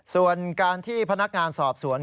ส่วนการที่พนักงานสอบสวน